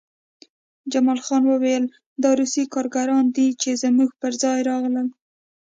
جمال خان وویل دا روسي کارګران دي چې زموږ پرځای راغلل